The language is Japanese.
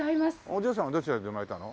お嬢さんはどちらで生まれたの？